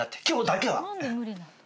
今日だけは。